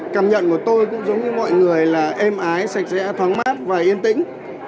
cảm nhận của tôi cũng giống như mọi người là êm ái sạch sẽ thoáng mát và yên tĩnh